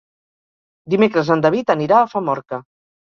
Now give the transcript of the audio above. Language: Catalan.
Dimecres en David anirà a Famorca.